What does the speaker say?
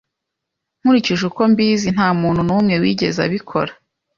Nkurikije uko mbizi, nta muntu n'umwe wigeze abikora.